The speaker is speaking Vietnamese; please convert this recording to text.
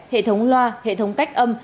hệ thống loa hệ thống cách âm